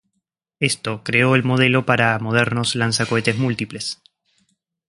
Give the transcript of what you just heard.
Esto creó el modelo para modernos lanzacohetes múltiples.